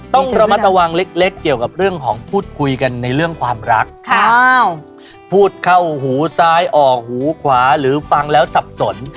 ต้องระมัดระวังเล็กเกี่ยวกับเรื่องของพูดคุยกันในเรื่องความรักพูดเข้าหูซ้ายออกหูขวาหรือฟังแล้วสับสน